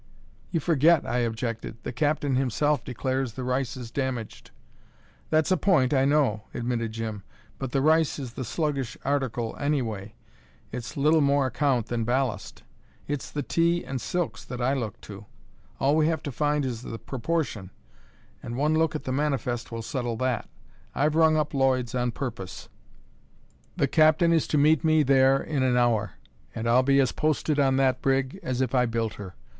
"You forget," I objected, "the captain himself declares the rice is damaged." "That's a point, I know," admitted Jim. "But the rice is the sluggish article, anyway; it's little more account than ballast; it's the tea and silks that I look to: all we have to find is the proportion, and one look at the manifest will settle that. I've rung up Lloyd's on purpose; the captain is to meet me there in an hour, and then I'll be as posted on that brig as if I built her.